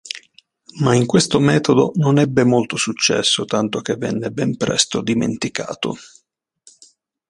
Ma questo metodo non ebbe molto successo, tanto che venne ben presto dimenticato.